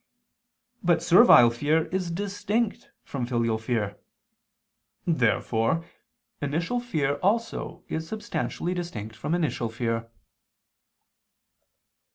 But servile fear is distinct from filial fear. Therefore initial fear also is substantially distinct from initial fear.